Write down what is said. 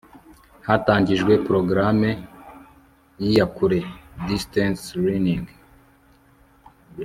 hatangijwe programme y'iyakure (distance learning